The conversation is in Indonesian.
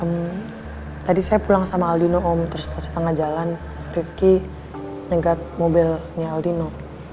tadi saya pulang sama aldino om terus pas tengah jalan rivki nengkat mobilnya aldino